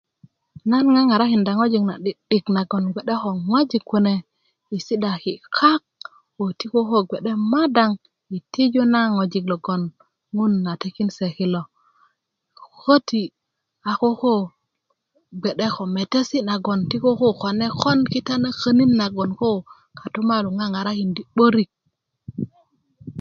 ņa ŋaŋarakinda ŋojik na'didik nagon gwe'de ko ŋojik kune yi si'daki kak ti koko gwe madaŋ yi tiju na ŋojik logon ŋun a tikin se kilo kp köti koko gwe ko metesi nagon ti koko köti konekon kita na könin na kogon kotumalu ŋaŋarakinda 'barik